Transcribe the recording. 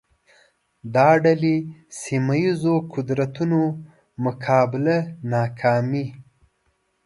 دا ډلې سیمه ییزو قدرتونو مقابله ناکامې